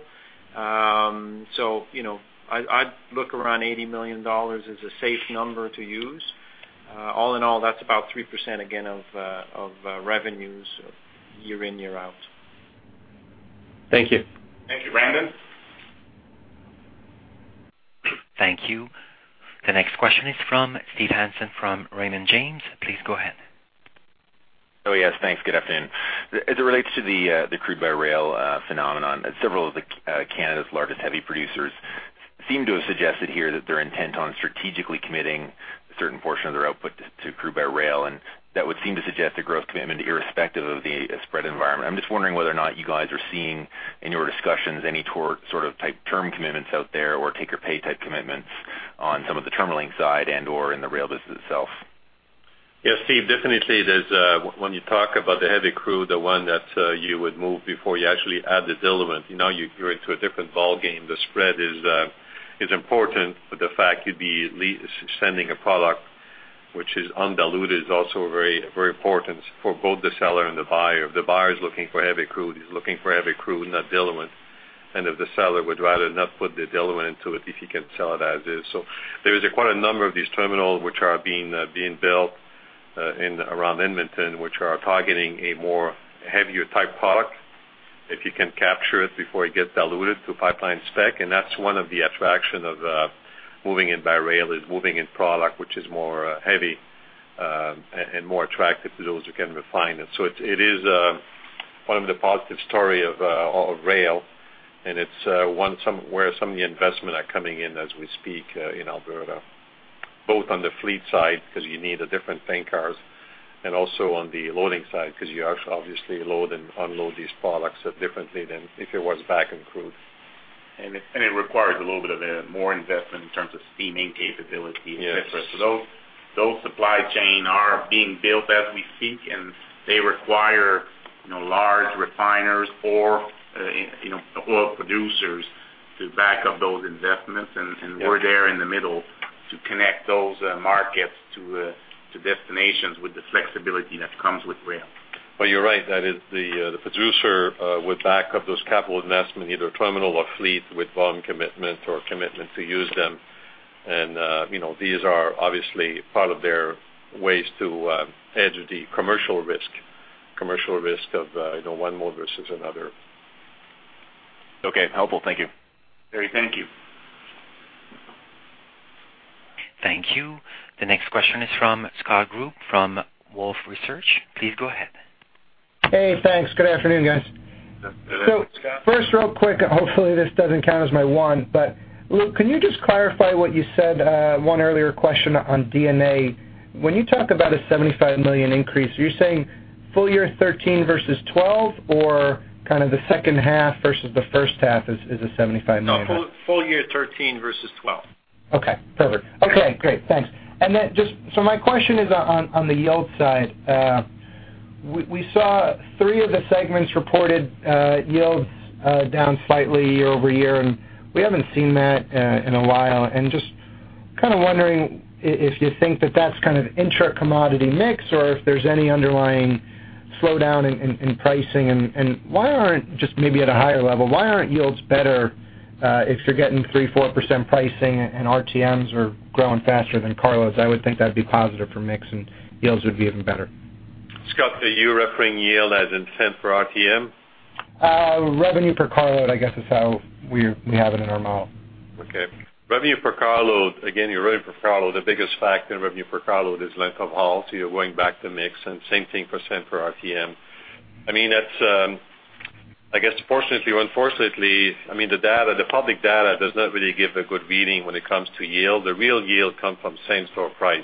So, you know, I'd, I'd look around 80 million dollars as a safe number to use. All in all, that's about 3%, again, of, of, revenues year in, year out. Thank you. Thank you, Brandon. Thank you. The next question is from Steve Hanson, from Raymond James. Please go ahead. Oh, yes, thanks. Good afternoon. As it relates to the crude by rail phenomenon, several of Canada's largest heavy producers seem to have suggested here that they're intent on strategically committing a certain portion of their output to crude by rail, and that would seem to suggest a growth commitment, irrespective of the spread environment. I'm just wondering whether or not you guys are seeing, in your discussions, any sort of type term commitments out there, or take or pay type commitments on some of the terminaling side and, or in the rail business itself? Yes, Steve, definitely, there's when you talk about the heavy crude, the one that you would move before you actually add the diluent, now you're, you're into a different ballgame. The spread is important, but the fact you'd be sending a product which is undiluted is also very, very important for both the seller and the buyer. If the buyer is looking for heavy crude, he's looking for heavy crude, not diluent. And if the seller would rather not put the diluent into it, if he can sell it as is. So there is quite a number of these terminals which are being built in around Edmonton, which are targeting a more heavier type product, if you can capture it before it gets diluted to pipeline spec. That's one of the attractions of moving it by rail: moving in product which is more heavy and more attractive to those who can refine it. So it is one of the positive stories of rail, and it's one where some of the investments are coming in as we speak in Alberta, both on the fleet side, because you need a different tank cars, and also on the loading side, because you obviously load and unload these products differently than if it was Bakken crude. And it requires a little bit of more investment in terms of steaming capability- Yes. So those, those supply chain are being built as we speak, and they require, you know, large refiners or, you know, oil producers to back up those investments. Yes. We're there in the middle to connect those markets to destinations with the flexibility that comes with rail. Well, you're right, that is the producer would back up those capital investments, either terminal or fleet, with volume commitment or commitment to use them. And, you know, these are obviously part of their ways to hedge the commercial risk, commercial risk of, you know, one mode versus another. Okay, helpful. Thank you. Great. Thank you. Thank you. The next question is from Scott Group, from Wolfe Research. Please go ahead. Hey, thanks. Good afternoon, guys. Good afternoon, Scott. First, real quick, hopefully, this doesn't count as my one, but Luc, can you just clarify what you said on an earlier question on CN? When you talk about a 75 million increase, are you saying full year 13 versus 12, or kind of the second half versus the first half is a 75 million? No, full, full year 2013 versus 2012. Okay, perfect. Yeah. Okay, great. Thanks. And then just... So my question is on the yield side. We saw three of the segments reported yields down slightly year-over-year, and we haven't seen that in a while. And just kind of wondering if you think that that's kind of intra commodity mix, or if there's any underlying slowdown in pricing? And why aren't, just maybe at a higher level, why aren't yields better if you're getting 3%-4% pricing and RTMs are growing faster than carloads? I would think that'd be positive for mix and yields would be even better. Scott, are you referring yield as in cent per RTM? Revenue per carload, I guess, is how we, we have it in our model. Okay. Revenue per carload, again, your revenue per carload, the biggest factor in revenue per carload is length of haul, so you're going back to mix and same thing percent per RTM. I mean, that's, I guess fortunately or unfortunately, I mean, the data, the public data does not really give a good reading when it comes to yield. The real yield come from same store price.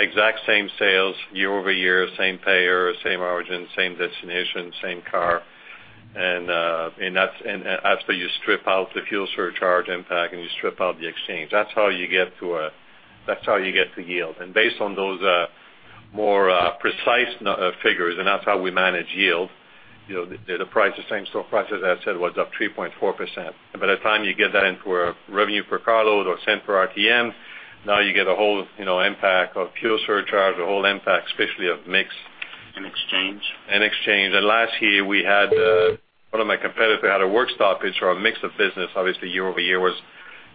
Exact same sales year over year, same payer, same origin, same destination, same car. And, and, and after you strip out the fuel surcharge impact, and you strip out the exchange, that's how you get to, that's how you get to yield. And based on those, more precise figures, and that's how we manage yield, you know, the, the price, the same store price, as I said, was up 3.4%. By the time you get that into a revenue per carload or cent per RTM, now you get a whole, you know, impact of fuel surcharge, the whole impact, especially of mix. And exchange? And exchange. And last year, we had, one of my competitor had a work stoppage, or a mix of business, obviously, year-over-year was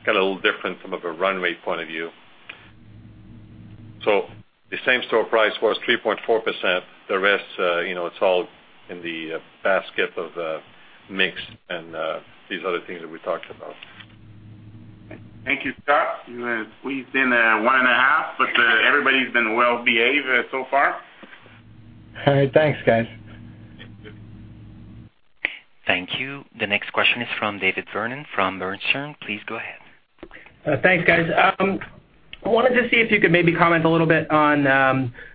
kind of a little different from a runway point of view. So the same store price was 3.4%. The rest, you know, it's all in the, basket of, mix and, these other things that we talked about. Thank you, Scott. You have squeezed in 1.5, but everybody's been well behaved so far. All right, thanks, guys. Thank you. The next question is from David Vernon from Bernstein. Please go ahead. Thanks, guys. I wanted to see if you could maybe comment a little bit on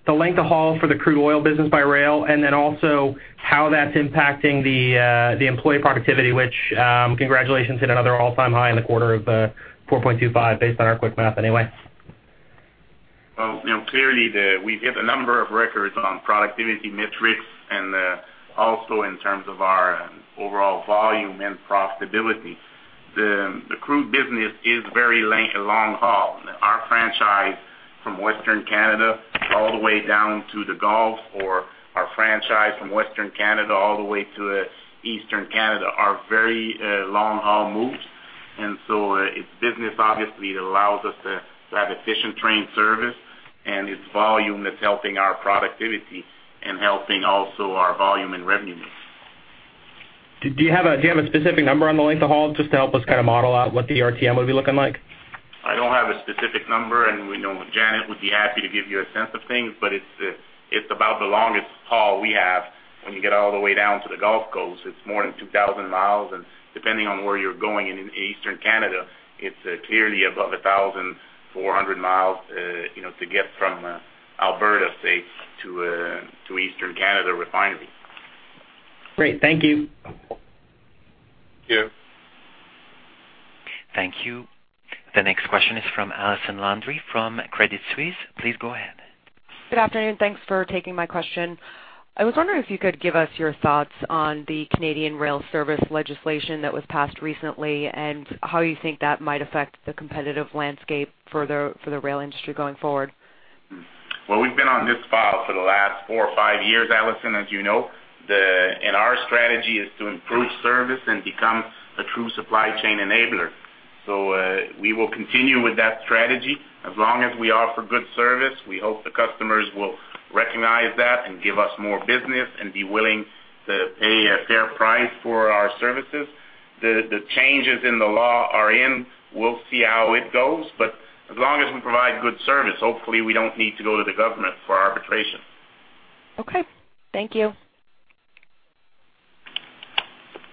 the length of haul for the crude oil business by rail, and then also how that's impacting the employee productivity, which, congratulations, hit another all-time high in the quarter of 4.25, based on our quick math anyway. Well, you know, clearly, we hit a number of records on productivity metrics, and also in terms of our overall volume and profitability. The crude business is very length, long haul. Our franchise from Western Canada, all the way down to the Gulf, or our franchise from Western Canada, all the way to Eastern Canada, are very long-haul moves. And so, it's business obviously allows us to have efficient train service, and it's volume that's helping our productivity and helping also our volume and revenue. Do you have a specific number on the length of haul, just to help us kind of model out what the RTM would be looking like? I don't have a specific number, and we know Janet would be happy to give you a sense of things, but it's about the longest haul we have. When you get all the way down to the Gulf Coast, it's more than 2,000 miles, and depending on where you're going in Eastern Canada, it's clearly above 1,400 miles, you know, to get from Alberta, say, to Eastern Canada refinery. Great. Thank you. Thank you. Thank you. The next question is from Allison Landry from Credit Suisse. Please go ahead. Good afternoon, thanks for taking my question. I was wondering if you could give us your thoughts on the Canadian Rail Service legislation that was passed recently, and how you think that might affect the competitive landscape for the rail industry going forward. Well, we've been on this file for the last four or five years, Allison, as you know. Our strategy is to improve service and become a true supply chain enabler. So, we will continue with that strategy. As long as we offer good service, we hope the customers will recognize that and give us more business and be willing to pay a fair price for our services. The changes in the law are in. We'll see how it goes, but as long as we provide good service, hopefully, we don't need to go to the government for arbitration. Okay. Thank you.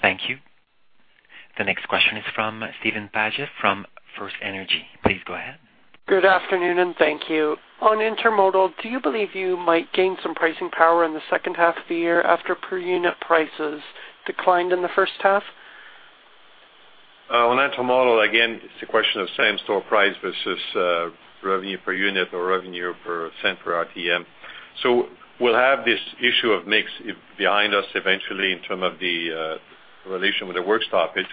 Thank you. The next question is from Steven Paget, from FirstEnergy. Please go ahead. Good afternoon, and thank you. On intermodal, do you believe you might gain some pricing power in the second half of the year after per unit prices declined in the first half? On intermodal, again, it's a question of same-store price versus revenue per unit or revenue percent per RTM. So we'll have this issue of mix behind us eventually in terms of the relation with the work stoppage.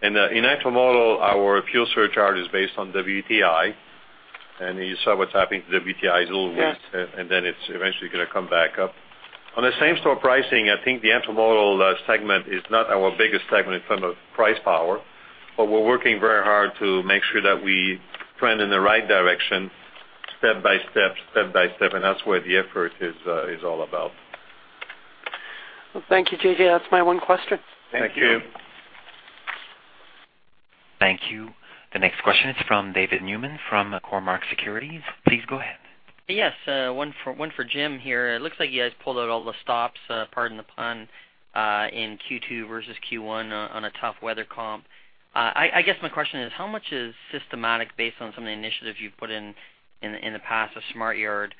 And in intermodal, our fuel surcharge is based on WTI, and you saw what's happening to WTI. It's a little weak. Yeah. And then it's eventually gonna come back up. On the same store pricing, I think the intermodal segment is not our biggest segment in terms of price power, but we're working very hard to make sure that we trend in the right direction, step by step, step by step, and that's where the effort is all about. Well, thank you, JJ. That's my one question. Thank you. Thank you. The next question is from David Newman from Cormark Securities. Please go ahead. Yes, one for Jim here. It looks like you guys pulled out all the stops, pardon the pun, in Q2 versus Q1 on a tough weather comp. I guess my question is: How much is systematic based on some of the initiatives you've put in in the past with SmartYard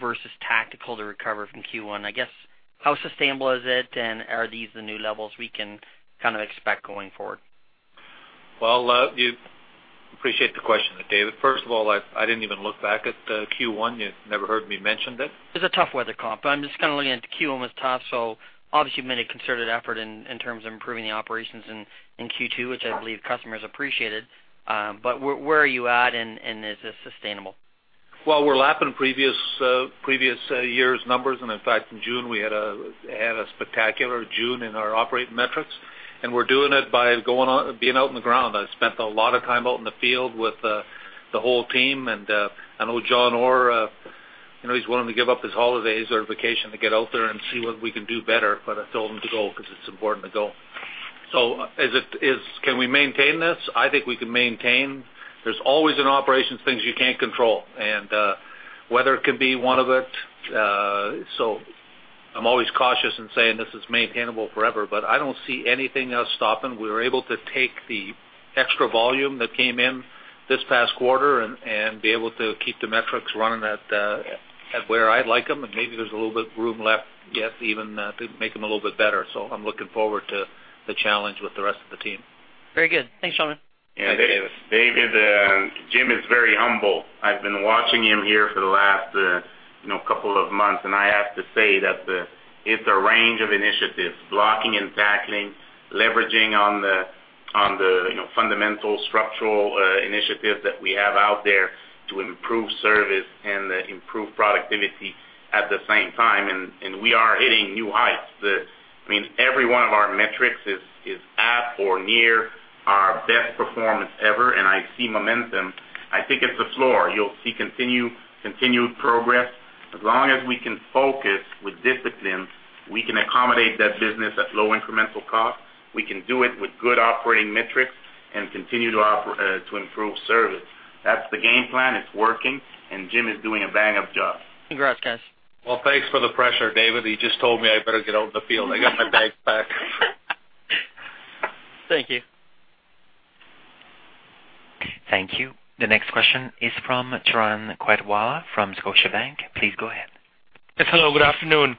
versus tactical to recover from Q1? I guess, how sustainable is it, and are these the new levels we can kind of expect going forward? Well, appreciate the question, David. First of all, I didn't even look back at the Q1. You never heard me mention it. It's a tough weather comp, but I'm just kind of looking at Q1 was tough, so obviously you've made a concerted effort in terms of improving the operations in Q2, which I believe customers appreciated. But where are you at, and is this sustainable? Well, we're lapping previous, previous, year's numbers, and in fact, in June, we had a spectacular June in our operating metrics, and we're doing it by being out on the ground. I spent a lot of time out in the field with the whole team, and I know John Orr, you know, he's willing to give up his holidays or vacation to get out there and see what we can do better, but I told him to go because it's important to go. So is it, can we maintain this? I think we can maintain. There's always in operations, things you can't control, and weather can be one of it. So- ... I'm always cautious in saying this is maintainable forever, but I don't see anything else stopping. We were able to take the extra volume that came in this past quarter and be able to keep the metrics running at where I'd like them, and maybe there's a little bit of room left yet even to make them a little bit better. So I'm looking forward to the challenge with the rest of the team. Very good. Thanks, gentlemen. Yeah, David, Jim is very humble. I've been watching him here for the last, you know, couple of months, and I have to say that it's a range of initiatives, blocking and tackling, leveraging on the, you know, fundamental structural initiatives that we have out there to improve service and improve productivity at the same time, and we are hitting new heights. I mean, every one of our metrics is at or near our best performance ever, and I see momentum. I think it's the floor. You'll see continued progress. As long as we can focus with discipline, we can accommodate that business at low incremental cost. We can do it with good operating metrics and continue to operate to improve service. That's the game plan. It's working, and Jim is doing a bang-up job. Congrats, guys. Well, thanks for the pressure, David. You just told me I better get out in the field. I got my bags packed. Thank you. Thank you. The next question is from Turan Quettawala from Scotiabank. Please go ahead. Yes, hello, good afternoon.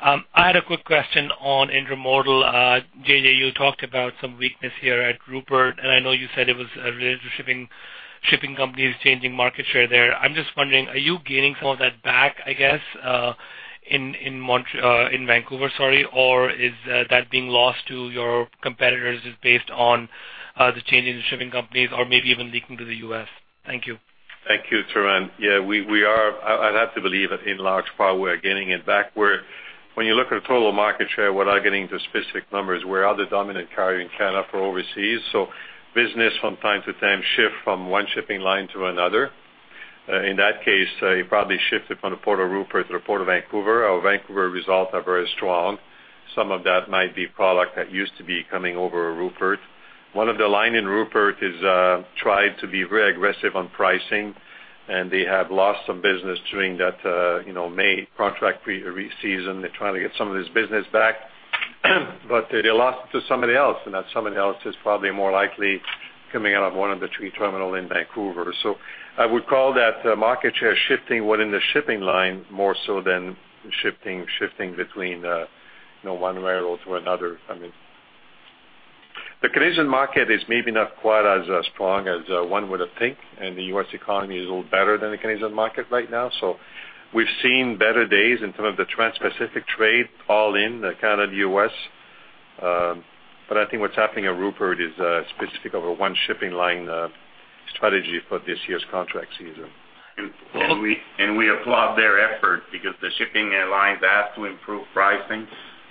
I had a quick question on intermodal. JJ, you talked about some weakness here at Rupert, and I know you said it was related to shipping, shipping companies changing market share there. I'm just wondering, are you gaining some of that back, I guess, in Montreal, in Vancouver, sorry, or is that being lost to your competitors just based on the changing in the shipping companies or maybe even leaking to the US? Thank you. Thank you, Turan. Yeah, we are. I'd have to believe that in large part, we're gaining it back. We're when you look at total market share, without getting into specific numbers, we're the dominant carrier in Canada for overseas, so business from time to time shifts from one shipping line to another. In that case, it probably shifted from the Port of Rupert to the Port of Vancouver. Our Vancouver results are very strong. Some of that might be product that used to be coming over Rupert. One of the lines in Rupert tried to be very aggressive on pricing, and they have lost some business during that, you know, main contract re-season. They're trying to get some of this business back, but they lost to somebody else, and that somebody else is probably more likely coming out of one of the three terminal in Vancouver. So I would call that market share shifting within the shipping line more so than shifting between, you know, one railroad to another. I mean, the Canadian market is maybe not quite as strong as one would have think, and the US economy is a little better than the Canadian market right now. So we've seen better days in terms of the Transpacific trade, all in the Canada, US. But I think what's happening at Rupert is specific over one shipping line strategy for this year's contract season. We applaud their effort because the shipping lines have to improve pricing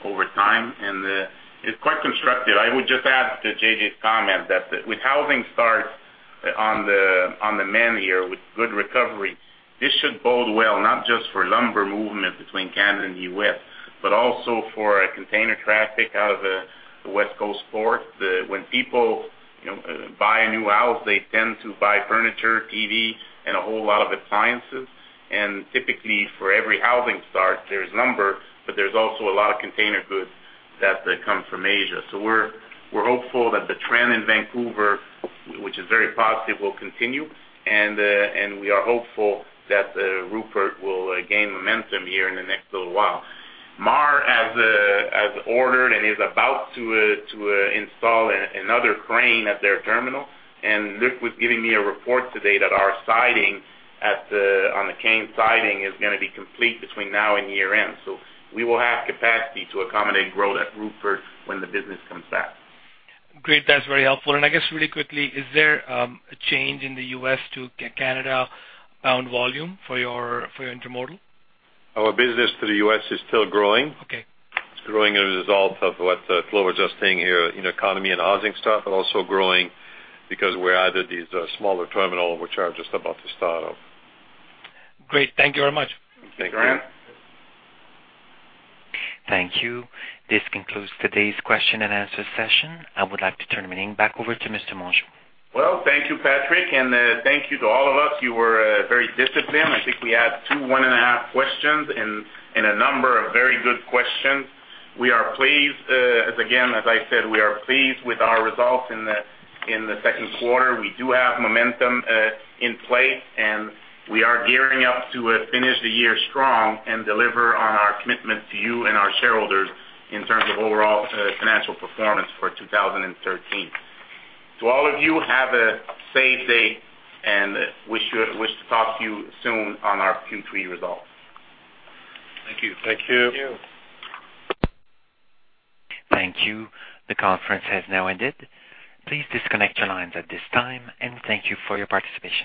over time, and it's quite constructive. I would just add to JJ's comment that with housing starts on the mend here, with good recovery, this should bode well, not just for lumber movement between Canada and the US, but also for container traffic out of the West Coast port. When people, you know, buy a new house, they tend to buy furniture, TV, and a whole lot of appliances. And typically, for every housing start, there's lumber, but there's also a lot of container goods that come from Asia. So we're hopeful that the trend in Vancouver, which is very positive, will continue, and we are hopeful that Rupert will gain momentum here in the next little while. Maher has ordered and is about to install another crane at their terminal, and Luke was giving me a report today that our siding at the Kaien Siding is gonna be complete between now and year-end. So we will have capacity to accommodate growth at Rupert when the business comes back. Great, that's very helpful. And I guess really quickly, is there a change in the US to Canada bound volume for your, for your intermodal? Our business to the U.S. is still growing. Okay. It's growing as a result of what, flow adjusting here in economy and housing stuff, but also growing because we're added these smaller terminal, which are just about to start up. Great. Thank you very much. Thank you. Thank you. Thank you. This concludes today's question and answer session. I would like to turn the meeting back over to Mr. Mongeau. Well, thank you, Patrick, and, thank you to all of us. You were very disciplined. I think we had two one-and-a-half questions and a number of very good questions. We are pleased, as again, as I said, we are pleased with our results in the second quarter. We do have momentum in place, and we are gearing up to finish the year strong and deliver on our commitment to you and our shareholders in terms of overall financial performance for 2013. To all of you, have a safe day, and wish to talk to you soon on our Q3 results. Thank you. Thank you. Thank you. Thank you. The conference has now ended. Please disconnect your lines at this time, and thank you for your participation.